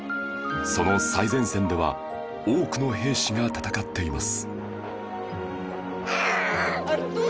その最前線では多くの兵士が戦っています